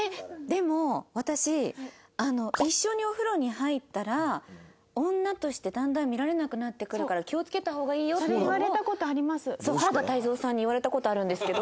でも私一緒にお風呂に入ったら女としてだんだん見られなくなってくるから気をつけた方がいいよっていうのを原田泰造さんに言われた事あるんですけど。